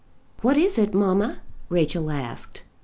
"What is it, mamma?" Rachel asked.